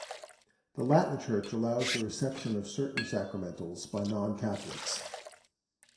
The Latin Church allows the reception of certain sacramentals by non-Catholics.